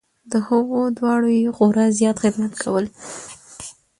د هغو دواړو یې خورا زیات خدمت کول .